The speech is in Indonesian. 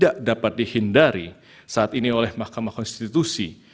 dan itu yang tidak dapat dihindari saat ini oleh mahkamah konstitusi